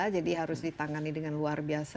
jadi harus ditangani dengan luar biasa